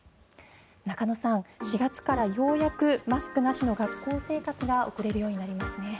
中野さん、４月からようやくマスクなしの学校生活が送れるようになりますね。